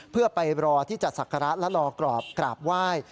เพื่อไปรอที่จะศักระและรอกรอบกราบไหว้